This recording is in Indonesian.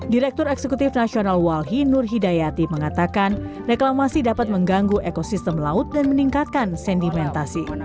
direktur eksekutif nasional walhi nur hidayati mengatakan reklamasi dapat mengganggu ekosistem laut dan meningkatkan sedimentasi